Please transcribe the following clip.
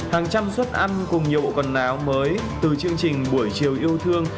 hàng trăm suất ăn cùng nhiều bộ quần áo mới từ chương trình buổi chiều yêu thương